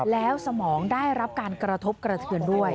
แล้วสมองได้รับการกระทบกระเทือนด้วย